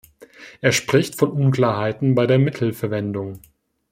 Er spricht von Unklarheiten bei der Mittelverwendung.